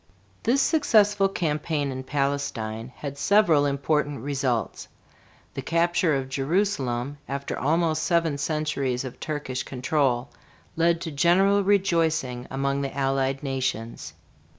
This successful campaign in Palestine had several important results. The capture of Jerusalem after almost seven centuries of Turkish control led to general rejoicing among the Allied nations.